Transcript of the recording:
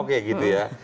oke gitu ya